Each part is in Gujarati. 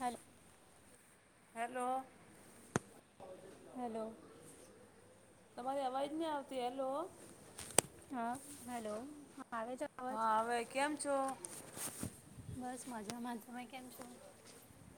Hello hello. હેલો. તમારી અવાજ ની આવતી હેલો હા હેલો હા આવે છે. હ અવાજ હવે કેમ છો? બસ મજામાં તમે કેમ છો?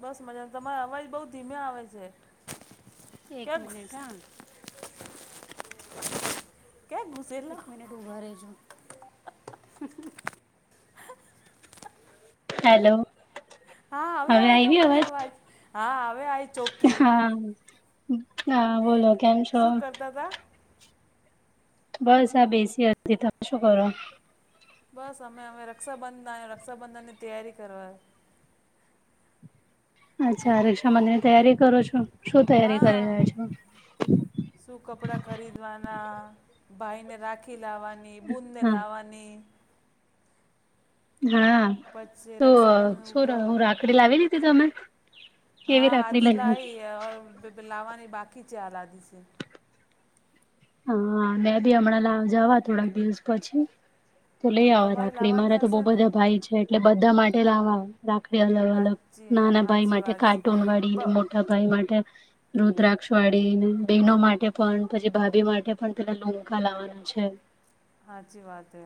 બસ મજામા તમારે અવાજ બઉ ધીમે આવે છે. એક ક્યાં મિનીટ હા ક્યા ગુસેલા ડુબરે જો [inaudible] હેલો. હા હવે આય તમારી અવાજ હા હવે આ હા હા બોલો કેમ છો? [inaudible] બસ આ બેસી હતી તમે શું કરો? બસ અમે અવે રક્ષાબંધન અને રક્ષાબંધનની તૈયારી કરવા અચ્છા રક્ષા બધનની તૈયારી કરો છો શું તૈયારી કરી હા રહ્યા છો? શું કપડાં ખરીદવાના ભાઈને રાખી લાવવાની બૂદને હા લાવવાની હા. પછી તો રક્ષાબંધન શું ઉપર હું રાખડી લાવી લીધી તમે કેવી હા રાખડી આધી લાવી લાઈ લાવાની બાકી છે, આ લાધી છે. [unintelligible] મેં ભી હમણાં લા જાવા થોડાક દિવસ પછી તો લઈ હા આવો તમારે રાખડી લાવવાની મારા તો બહુ હશે ને બધા ભાઈ છે એટલે બધા માટે લાવવા આવે. રાખડી અલગ અલગ હાચી નાના ભાઈ હાચી માટે વાત છે કાર્ટૂન વાળી બ ને મો મોટા ભાઈ માટે રુદ્રાક્ષ વાળી બહેનો માટે પણ પછી ભાભી માટે પણ પેલા લૂંખા લાવવાના છે. હાચી વાત હે.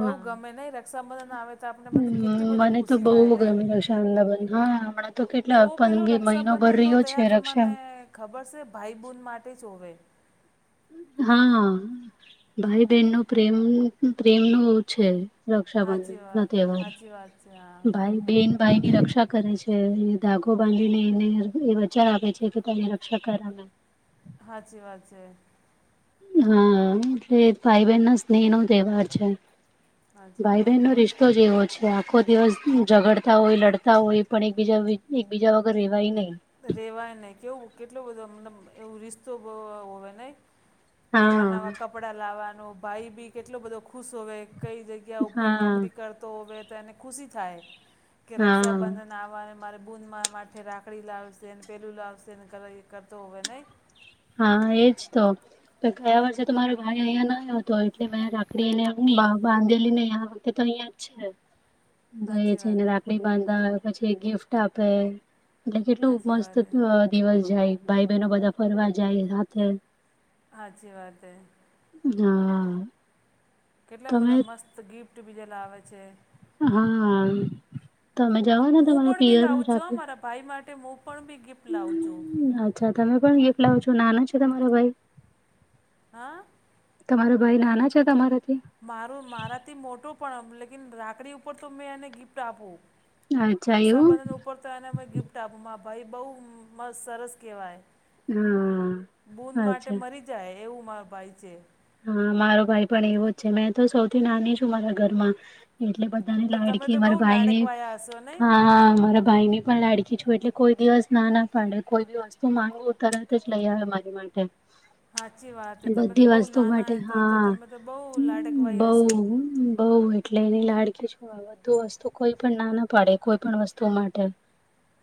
બઉ ગમે નહી રક્ષાબંધન આવે તો આપને બધી હમ કેટલી બધી મને તો ખુશી થાય બહુ નહી. ગમે રક્ષાબંધન હા હમણાં તો ને કેટલા ઓ પેલું પંદર મહિનો ભર રક્ષાબંધન નો રહ્યો છે તૈયાર રક્ષા તમને ખબર છે ભાઈબૂન માટે ચ હોવે. હા ભાઈ બહેન નો પ્રેમનું પન પ્રેમ ન એવું છે. હાચી રક્ષાબંધન ના વાત તહેવાર હાચી વાત હાચી વાત છે હા ભાઈ બેન ભાઈ ની રક્ષા કરે છે અને ધાગો બાંધીને એને એ વચન આપે છે કે તને ર કશા કરામે. હાચી વાત છે. હા એટલે ભાઈ બહેન ના સ્નેહ નો તહેવાર છે હાચી ભાઈ વાત બહેન નો રિશ તો જ એવો છે આખો દિવસ ઝગડતા હોય લડતા હોય પણ એકબીજા વી એકબીજા વગર રહેવાય નહીં. રેવાય નહી કેવું કેટલો બધો મતલબ એવું રિસ્તો બવ એવો હોય નહી. નવા હા નવા કપડા લાવવાનું ભાઈ બી કેટલો બધો ખુશ હોય કઈ જગ ગ્યા ઉપર હા નોકરી કરતો હોય તો એને ખુશી થાય કે હા રક્ષાબંધન નાવાને મારે બૂન મારા માથે રાખડી લાવશેન પેલું લાવશેન [unintelligible] કરતો હોવે નહી. હા એજ તો પણ કયા વર્ષે તો મારો ભાઈ અહીંયા ના આવ તો એટલે મેં રાખડીને એને હુ બાંધેલી ને આ વખતે તો અહિયાં જ છે. જોઈએ હાચી છે એને વાત રાકડી બાંધા હો પછી ગિફ્ટ આપે. એટલે કેટલું હાચી મસ્ત અ વાત હે દિવસ જાય ભાઈ બહેનો બધા ફરવા જાય હાથે. હાછી વાત હૈ. હા. કેટલા તમે બધા મસ્ત ગિફ્ટ બીજા લાવેે છે. હા તમે જવાના હું તમારા પણ બી પિયરયા લાવું છું હો સાથે. મારા ભાઈ માટે મું પણ બી ગિફ્ટ લાવું છું. અચ્છા તમે પણ એક લાવો છો નાના છે તમારા ભાઈ. હા. તમારો ભાઈ નાનો છે તમારાથી. મારું મારાથી મોટું પણ લેકિન રાખડી ઉપર તો મેં એને ગિફ્ટ આપું. અચ્છા એવું રક્ષાબંધન ઉપર તો એને અમે ગિફ્ટ આપું મા ભાઈ બહુ મ સરસ કહેવાય. બૂન હા માટે અચ્છા મરી જાય એવું માર ભાઈ છે. હા મારો ભાઈ પણ એવો છે મેં તો સૌથી નાની છું મારા ઘરમાં. એટલે બધાને તો તમે લાડકી તો બહુ મારા ભાઈ ને લાડકવાયા હશો નહીં હા મારા ભાઈને. પણ લાડકી છું એટલે કોઈ દિવસ ના ના પાડે કોઈ બી વસ્તુ માંગવું તરત જ લઈ આવે મારી માટે. હાચી વાત હે તમે તો બધી બહુ વસ્તુ નાના માટે હે તો તો હા તમે તો બહુ લાડકવાય હશો. હમ બઉ એટલે એની લાડકી છું આ બધું વસ્તુ કોઈ પણ નાના પાડે કોઈ પણ વસ્તુ માટે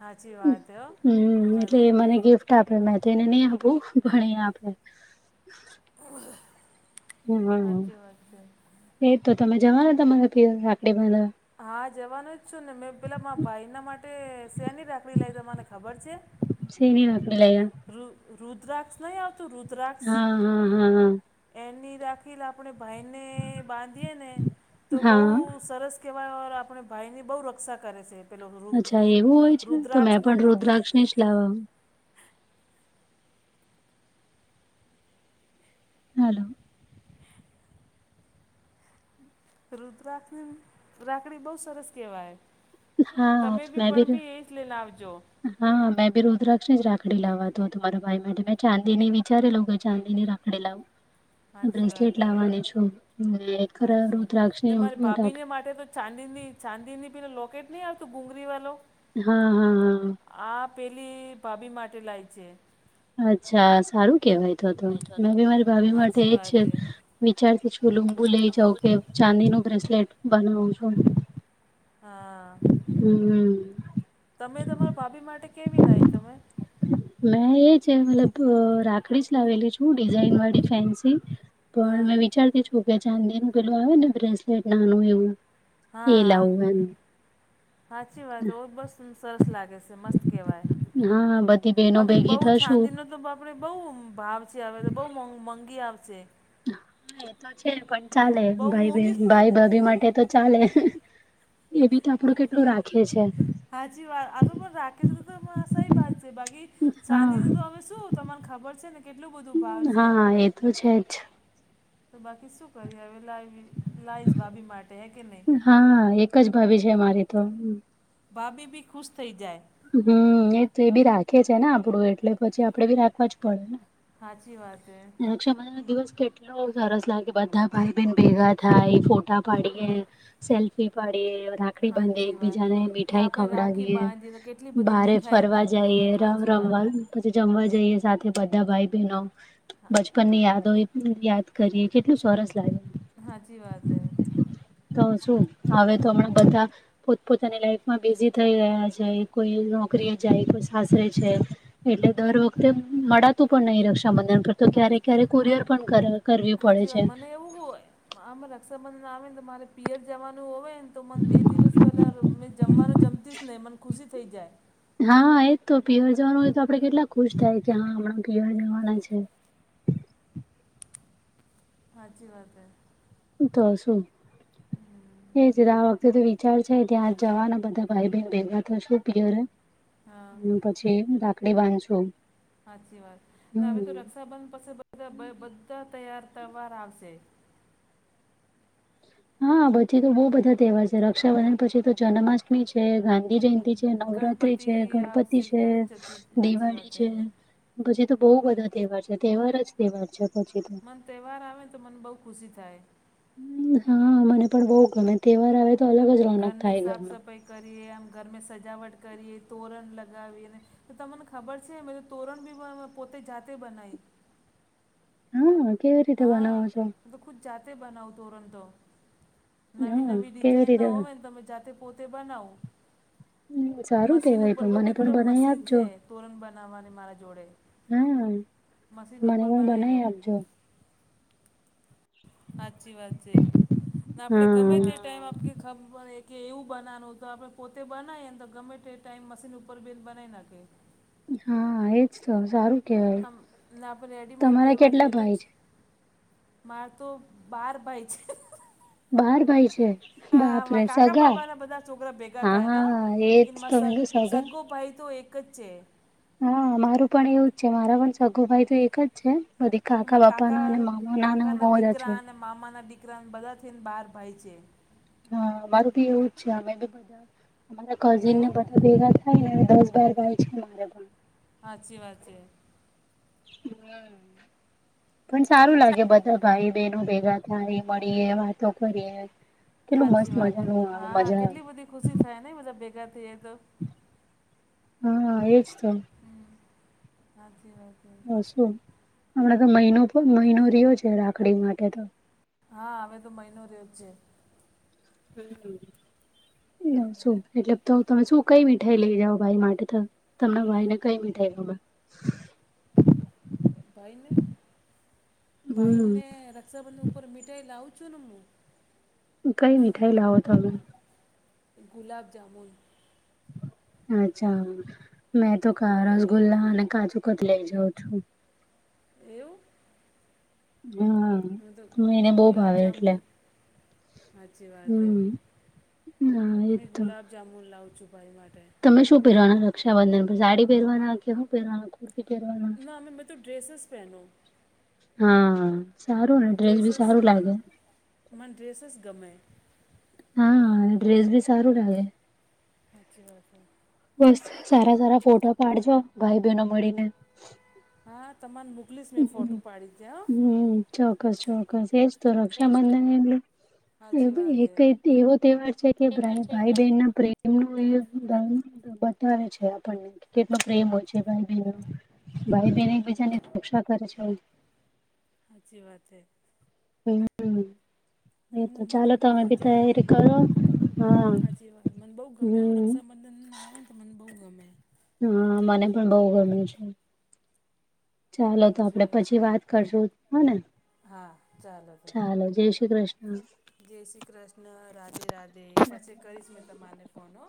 સાચી વાત હો હમ એટલે તમારી એ મને ગિફ્ટ તો આપડે મે તેને નહી આપુ પણ એ આપે. હમ ના ના. કથઈ એ તો તમે જવાનું તમારે પિયર રાખડી બંધાવા. હા જવાનું જ છું ને મેં પેલા મા ભાઈના માટે શેની રાખડી લઈ ત મને ખબર છે. સીવી હક લઈએ. રુ રુદ્રાક્ષ નહી આવતું રુદ્રાક્ષ હા હા હા હા એની રા ની આપણે ભાઈને બાંધીએ ને તો બહુ હા સરસ કહેવાય આપણે ભાઈ ની બહુ રક્ષા કરે છે. પેલો રુદ અચ્છા રુદ રુદ્રાક્ષ નો મોતી શ લવા [inaudible] હલો. રુદ્રાક્ષ ની રાખડી બહુ સરસ કહેવાય હા તમે બી મેં પણ ભી એ જ લઈને આવજો હા મેં બી રુદ્રાક્ષ જ રાખડી લાવવાતો તમારા ભાઈ માટે મેં ચાંદીની વિચારેલું કે ચાંદી ની રાખડી લાવ સાચી વાત બ્રેસલેટ હે લાવવાની છું લે ખરા સાચી રુદ્રાક્ષ ને ની મારી ભાભીને રાખડી માટે તો ચાંદીની ચાંદીની પેલો લોકેટ નહી આવતો બુગરી વાલો. હા હા હા. આ પેલી ભાભી માટે લાઈ છે. અચ્છા સારું કેવાય તો તો બેઠો મેં હતો બી મારી ભાભી માટે હાચી એજ છે વાત હે વિચારતી છોલું બું કુછ લઈ બોલું જાઉ કે ચાંદી નું બ્રેસલેટ બનાવું છું. હા. હમ. તમે તમારા ભાભી માટે કેવી લાઈ તમે મેં એ છે મતલબ અ રાખડી જ લાવેલી છું ડિઝઇન વાળી ફેન્સી હા પણ મેં વિચારતી છું કે ચાંદીનું પેલું આવે ને બ્રેસલેટ નાનું એવું એ હા. લાવું એમ હાચી વાત ઓ બસ સરસ લાગે છે મસ્ત કેવાય હા બધી બહેનો બાકી ભેગી બઉ થશું છાંદી નુ તો બાપ આપણે બહુ ભાવ છે હવે તો બહુ મો મોંઘી આવશે હા એ તો છે પણ ચાલે બહુ ભાઈ બે મોંઘી ભાઈ ભાભી માટે તો ચાલે એ બી તો આપડું કેટલું રાખીએ છે. હાચી વાત આ તો પણ રાખે છે તો આા [inaudible] બાજે બાકી હા ચાંદી તો હવે શું તમાને ખબર છે ને કેટલું બધું ભાવ છે. હા એ તો છે જ. તો બાકી શું કરી હવે લાઈવી લાઈશ ભાભી માટે હે કે હા એક જ ભાભી છે મારી નહી તો ભાભી બી ખુશ થઈ જાય હમ એ થે બી રાખે છે ને આપડું એટલે પછી આપડે બી રાખવા જ પડે ને. હાચી વાત હૈ. રક્ષાબંધન ના દિવસ કેટલુ એટલુ સરસ લાગે બધા ભાઈ બહેન ભેગા થાય ફોટા પાડીએ સેલ્ફી પાડીએ રાખડી બાંધીએ સાચી વાત એકબીજાને ને મીઠાઈ આપણે રાખી ખવડાવીએ બાંધીએ તો કેટલી બધી બારે મીઠાઈ ફરવા બાકી જઈએ હોય રમ સાચી વાત રમવા પછી જમવા જઈએ સાથે બધા ભાઈ બહેનો હા, બચપન ની યાદો એ. યાદ કરીએ કેટલું સરસ લાગે. હાચી વાત હૈ. તો શું હવે તો હમણાં બધા પોત પોતાની લાઈફમાં બિઝી થઈ રહ્યા છે કોઈ નોકરી જાય કોઈ સાસરે જાય. એટલે દર વખતે મળાતું પણ નહીં, રક્ષાબંધન પર તો ક્યારેક સાચી ક્યારે મન કુરિયર પણ કર કરવી પડે સાચી વાત છે. મને એવું હોય આમાં રક્ષાબંધન આવે ને તો મારે પિયર જવાનું હોવે તો મને બે દિવસ પેલા મેં જમવાનું જમતી જ નહિ મને ખુશી થઈ જાય. હા, એજ તો પિવર જવાનું હોય તો આપણે કેટલા ખુશ થાય કે, હા હમણા પીયર જવાના છે. હાચી વાત હે જોસુ એ જ આ વખતે તો વિચાર છે, ત્યાં જવાના બધા ભાઈ-બહેન ભેગા થઈશું પિયરે હા ને પછી રાખડી બાંધશું હાચી વાત, હવે તો હમ રક્ષાબંધ પછી બધા બધા તહેવાર આવશે. હા, પછી તો બહુ બધા તહેવાર છે રક્ષાબંધન પછી તો જન્માષ્ટમી છે, ગાંધી ગાંધી જયંતિ છે, નવરાત્રી ગણપતિ છે, ગણપતિ આવશે છે, ગણેશ ચતુર્થી સાચી દિવાળી વાત હે છે પછી તો બહુ બધા તહેવાર છે, તહેવાર જ તહેવાર છે પછી તો. મને તહેવાર આવેને તો મને બહુ ખુશી થાય. હા, મને પણ બહું ગમે તહેવાર આવે તો અલગ જ રોનક ઘરની થાય સાફ ઘરમાં. સફાઈ કરીએ એમ ઘર મેં સજાવટ કરીએ, તોરણ લગાવીએ અને તો તમને ખબર છે અમે તોરણ બી પોતે જાતે બનાવી હ, કેવી રીતે હા બનાવો છો? તો ખુદ જાતે બનાવું તોરણ તો હા નવી-નવી કેવી રીતે ડિઝાઇનના હોય ને તમે જાતે પોતે બનાવું. હમ, સારું મશીન કેવાય તો ઉપર મને બી પણ પેલા બનાવી મશીન આપજો છે તોરણ બનાવવાની મારા જોડે હા મશીન મને ઉપર પણ બનાવી દઉ. આપજો. હાચી વાત છે, આપણે ગમે હા. તે ટાઈમ આપ- ખબર કે એવું બનાવનું તો આપણે પોતે બનાવીએ ને તો ગમે તે ટાઈમ મશીન ઉપર બનાવી નાખીએ. હા, એજ તો સારું કેવાય આમ ના આપણે રેડીમેડ તમારા લેવા કેટલા જઈએ તો ભાઈ છે? મારે તો બાર પાઈ છે. બાર ભાઈ છે હા, હા બાપરે કાકા સગા બાપાના બધા છોકરા ભેગા હા થઈને એજ તો મે કીધું [unintelligible] સગા સગો ભાઈ તો એક જ છે. હા, મારું પણ એવું જ છે મારા પણ સગો ભાઈ તો એક જ છે. બધી બાકી કાકા મા બાપાના અને મામાના બો કાકાના બધા છે. દીકરા અને મામાના દીકરાને બધા થઈને બાર ભાઈ છે. હા, અમારું બી એવું જ છે અમે બી બધા અમારા કઝિનને એવું બધા ભેગા થઈ ઈને દસ-બાર ભાઈ છે. મારે પણ હાચી વાત છે. હ પણ સારું લાગે બધા બધાં ભાઈ-બહેનો ભેગા થાય મળીએ વાતો કરીએ. કેટલું હાચી મસ્ત વાત હે મજાનું આવે હા મજા આવે કેટલી બધી ખુશી થાય ને બધા ભેગા થઈએ તો. હા, એજ તો. હા, હાચી વાત. હે હા, શું હમણા તો મહીનો પણ મહિનો રહ્યો છે, રાખડી માટે તો. હા, હવે તો મહિનો રહ્યો જ છે. શું એટલે તો તમે શું કઈ મીઠાઈ લઈ જાવ ભાઈ માટે તો? તમારા ભાઈને કઈ મીઠાઈ ગમે ભાઈ ને? હમ ભાઈને રક્ષાબંધન ઉપર મીઠાઈ લાવું છું ને હું કઈ મીઠાઈ લાવો તમે? ગુલાબ જામુન. અચ્છા, મેં તો રસગુલ્લા અને કાજુ કત લઇ જાઉં છું. એવું? હું તો હમ્મ, એને બહું ભાવે એટલે. ગુલાબજામુન સાચી વાત હે હમ્મ, હા એ તો. જામુન લાવું છું ભાઈ માટે. તમે શું પહેરવાના રક્ષાબંધન પર સાડી પહેરવાના કે શું પહેરવાના? પહેરવાના ના મેમે મેં તો ડ્રેસેસ પહેનો. હા સારું ને ડ્રેસ ભી સારું લાગે. મને ડ્રેસસ ગમે. હા ડ્રેસ ભી સારું લાગે. સાચી વાત છે. બસ સારા સારા ફોટા પાડજો ભાઈ બહેનો મળીને. હા તમાને મુ હમ્મ, હમ્મ, ચોકસ ચોકસ એસ તો હો એજ તો રક્ષાબંધન એટલે સાચી વાત હે એક એવો તહેવાર છે કે એવા છે ભાઈ કે બહેન ના પ્રેમ [inaudible] બતાવે છે આપણને કેટલો પ્રેમ હોય છે ભાઈ બનો ભાઈ બન એક બીજાને રક્ષા કરે છે. ચાલ. સાચી વાત છે. [unintelligible] એ મને તો મને ચાલો બહુ તમે બી મજા આવે તૈયારી એમ કરો, હા, હમ્મ. મ આવે ને તો મને બહુ ગમે. હા મને પણ બહુ ગમે છે, ચાલો તો સાચી આપડે છે પછી વાત કરશો ને હા તો ચાલો જય શ્રી કૃષ્ણ. જય શ્રી કૃષ્ણ, રાધે રાધે પછી કરીશ મેં તમાને ફોનો